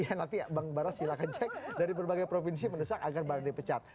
iya nanti bang barra silahkan cek dari berbagai provinsi mendesak agar barra dipecat